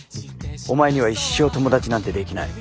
お前には一生友達なんてできない。